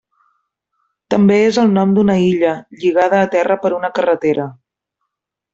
També és el nom d'una illa, lligada a terra per una carretera.